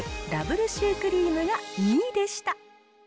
ダブルシュークリームが２位でした。